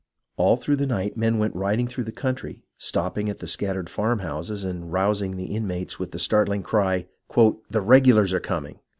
All through the night men went riding through the country, stopping at the scattered farmhouses and rousing the inmates with the startling cry, " The regulars are coming."